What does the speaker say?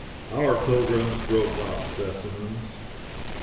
Our pilgrims broke off specimens.